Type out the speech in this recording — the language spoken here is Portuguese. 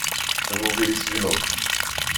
Eu vou ver isso de novo.